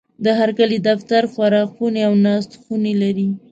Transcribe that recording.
د هرکلي دفتر، خوراکخونې او ناستخونې لري.